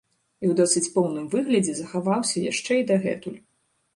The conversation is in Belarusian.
І ў досыць поўным выглядзе захаваўся яшчэ і дагэтуль.